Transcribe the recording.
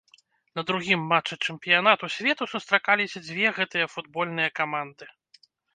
На другім матчы чэмпіянату свету сустракаліся дзве гэтыя футбольныя каманды.